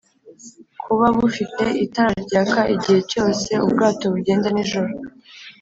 kuba bufite itara ryaka igihe cyose ubwato bugenda nijoro;